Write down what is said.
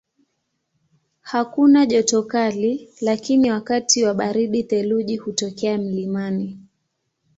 Hakuna joto kali lakini wakati wa baridi theluji hutokea mlimani.